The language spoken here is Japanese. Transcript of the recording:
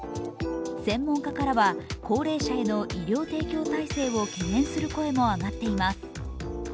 専門家からは高齢者への医療提供体制を懸念する声も上がっています。